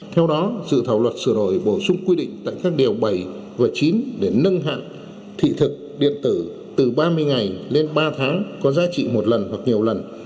theo đó dự thảo luật sửa đổi bổ sung quy định tại các điều bảy và chín để nâng hạn thị thực điện tử từ ba mươi ngày lên ba tháng có giá trị một lần hoặc nhiều lần